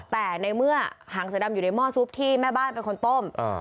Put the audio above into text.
แต่ในเมื่อหางเสือดำอยู่ในหม้อซุปที่แม่บ้านเป็นคนต้ม